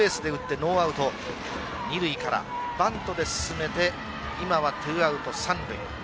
ノーアウト２塁からバントで進めて今は２アウト３塁。